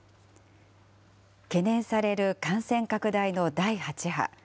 懸念される感染拡大の第８波。